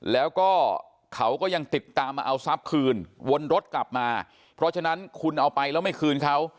แล้วก็เขาก็ยังติดตามมาเอาทรัพย์คืนวนรถกลับมาเพราะฉะนั้นคุณเอาไปแล้วไม่คืนเขา